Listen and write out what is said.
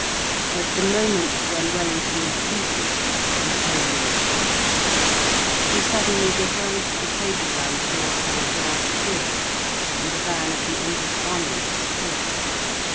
At the moment when Wellington retreated, Napoleon shuddered. He suddenly beheld the table land of Mont Saint Jean cleared, and the van of the English army disappear.